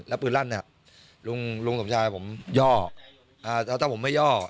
แล้วปืนลั่นเนี่ยลุงลุงสมชายผมย่อถ้าผมไม่ย่อ